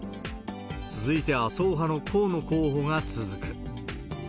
続いて麻生派の河野候補が続く。